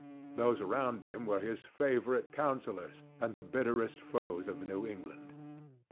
Those around him were his favorite councillors and the bitterest foes of New England.